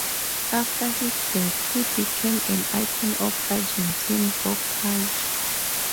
After his death, he became an icon of Argentine rock culture.